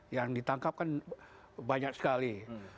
yang ditangkap kan banyak sekali